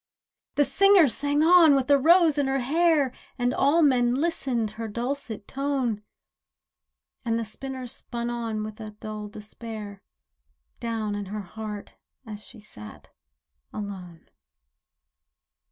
The singer sang on with a rose in her hair, And all men listened her dulcet tone; And the spinner spun on with a dull despair Down in her heart as she sat alone.